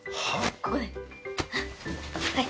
ここではい